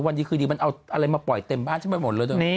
ดีคือดีมันเอาอะไรมาปล่อยเต็มบ้านฉันไปหมดเลยเถอะ